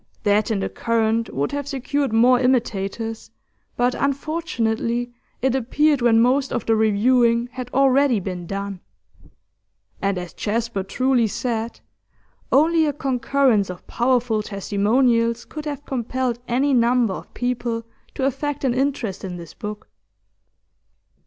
That in The Current would have secured more imitators, but unfortunately it appeared when most of the reviewing had already been done. And, as Jasper truly said, only a concurrence of powerful testimonials could have compelled any number of people to affect an interest in this book.